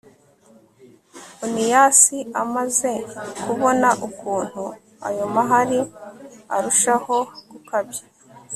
oniyasi amaze kubona ukuntu ayo mahari arushaho gukabya